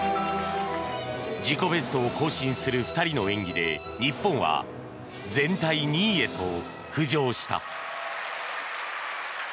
自己ベストを更新する２人の演技で日本は全体２位へと浮上した。